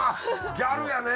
ギャルやね！